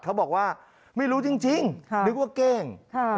เขาบอกว่าไม่รู้จริงนึกว่าเก้ง